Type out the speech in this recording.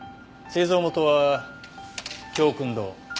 製造元は京薫堂。